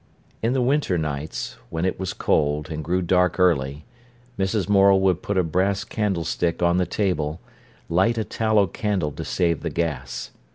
In the winter nights, when it was cold, and grew dark early, Mrs. Morel would put a brass candlestick on the table, light a tallow candle to save the gas.